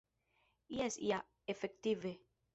Jes ja, efektive.